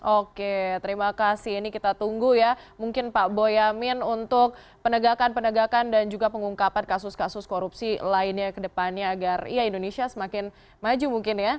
oke terima kasih ini kita tunggu ya mungkin pak boyamin untuk penegakan penegakan dan juga pengungkapan kasus kasus korupsi lainnya ke depannya agar ya indonesia semakin maju mungkin ya